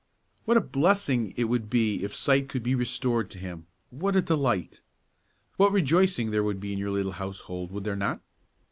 "What a blessing it would be if sight could be restored to him! what a delight! What rejoicing there would be in your little household, would there not?"